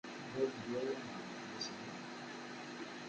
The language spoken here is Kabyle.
Ad awen-d-yawi adlis-nni.